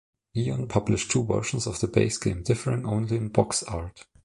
Eon published two versions of the base game, differing only in box art.